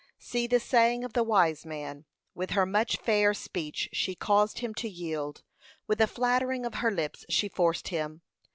See the saying of the wise man, 'with her much fair speech she caused him to yield, with the flattering of her lips she forced him.